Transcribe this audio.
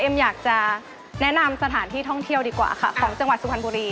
อยากจะแนะนำสถานที่ท่องเที่ยวดีกว่าค่ะของจังหวัดสุพรรณบุรี